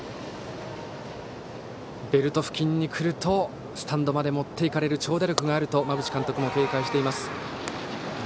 ベルト付近に来るとスタンドまで持っていかれる長打力があると馬淵監督も警戒しています。